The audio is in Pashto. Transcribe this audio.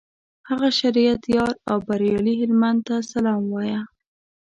هغه شریعت یار او بریالي هلمند ته سلام وایه.